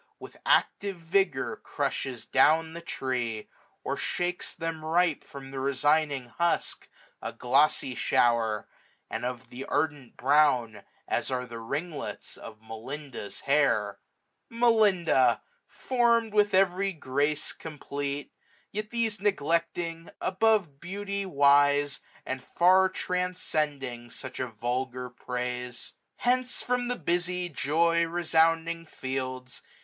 With active vigour crushes down the tree ; Or shakes them ripe from the resigning husk, A glossy shower, and of an ardent brown. As are the ringlets of Melinda's hair : 620 Melinda! form'd with every grace complete} Yet these neglecting, above beauty wise. And far transcending such a vulgar praise. Hence from the busy joy resounding fields.